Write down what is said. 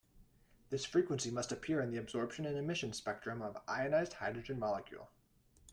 This frequency must appear in the absorption and emission spectrum of ionized hydrogen molecule.